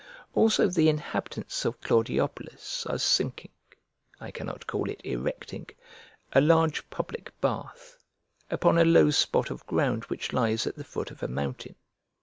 Also the inhabitants of Claudiopolis are sinking (I cannot call it erecting) a large public bath, upon a low spot of ground which lies at the foot of a mountain.